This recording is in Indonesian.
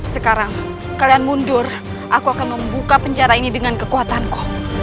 sekarang kalian mundur aku akan membuka penjara ini dengan kekuatanku